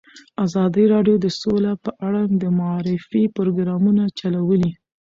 ازادي راډیو د سوله په اړه د معارفې پروګرامونه چلولي.